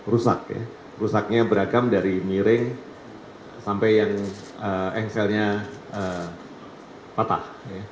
rusak ya rusaknya beragam dari miring sampai yang engselnya patah